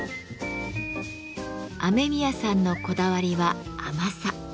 雨宮さんのこだわりは「甘さ」。